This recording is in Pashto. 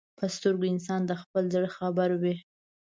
په سترګو انسان د خپل زړه خبر وي